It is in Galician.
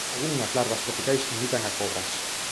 Algunhas larvas tropicais imitan a cobras.